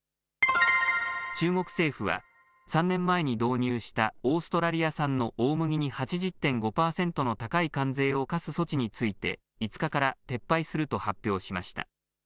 中国政府は３年前に導入したオーストラリア産の大麦に８０．５パーセントの高い関税を課す措置について５日から撤廃すると発表しました。